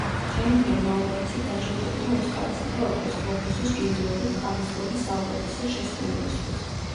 ჯენიფერ ლოურენსი დაჯილდოვდა ოსკარისა და ოქროს გლობუსის ჯილდოებით ქალის როლის საუკეთესო შესრულებისთვის.